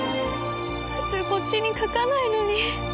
こっちに書かないのに。